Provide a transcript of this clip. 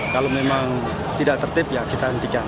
kalau memang tidak tertip ya kita hentikan